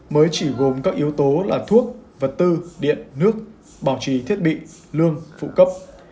mới chỉ gồm các yếu tố là thuốc vật tư điện nước bảo trì thiết bị lương phụ cấp